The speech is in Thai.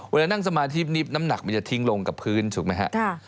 เวลานั่งสมาธินี่น้ำหนักมันจะทิ้งลงกับพื้นถูกไหมครับ